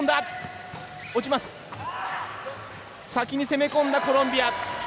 先に攻め込んだコロンビア。